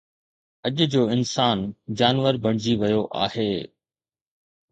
اڄ جو انسان جانور بڻجي ويو آهي